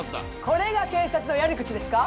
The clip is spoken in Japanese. これが警察のやり口ですか？